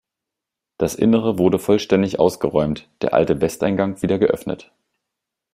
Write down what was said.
Das Innere wurde vollständig ausgeräumt, der alte Westeingang wieder geöffnet.